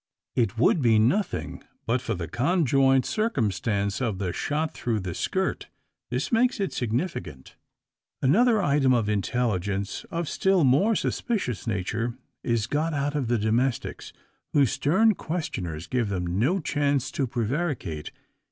It would be nothing, but for the conjoint circumstance of the shot through the skirt. This makes it significant. Another item of intelligence, of still more suspicious nature, is got out of the domestics, whose stern questioners give them no chance to prevaricate.